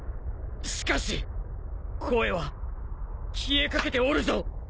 しかし声は消えかけておるぞ。